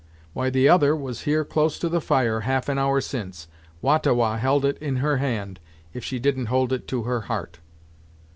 "Why the other was here close to the fire, half an hour since. Wah ta Wah held it in her hand, if she didn't hold it to her heart."